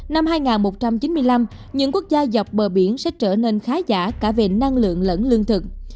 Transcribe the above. năm hai nghìn một trăm chín mươi năm những quốc gia dọc bờ biển sẽ trở nên khá giả cả về năng lượng lẫn lương thực